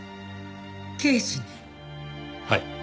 はい。